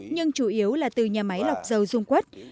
nhưng chủ yếu là từ nhà máy lọc dầu dung quất